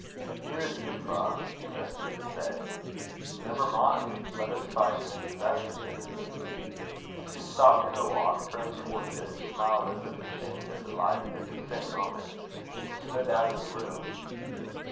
"Dear Euphra!" Hugh ventured to say, "never mind. Let us try to make the best of it." She stopped in her walk, turned towards him, smiled as if ashamed and delighted at the same moment, and slid out of the room.